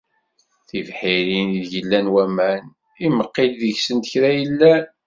Tibḥirin ideg llan waman, imeqqi-d deg-sent kra yellan